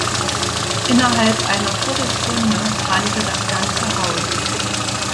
Innerhalb einer Viertelstunde brannte das ganze Haus.